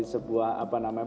sebuah apa namanya